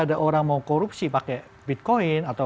ada orang mau korupsi pakai bitcoin atau